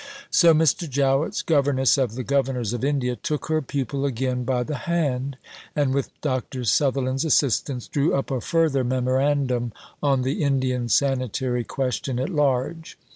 So Mr. Jowett's "Governess of the Governors of India" took her pupil again by the hand, and, with Dr. Sutherland's assistance, drew up a further Memorandum on the Indian sanitary question at large.